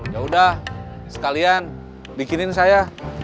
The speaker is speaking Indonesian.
yaudah sekalian bikinin saya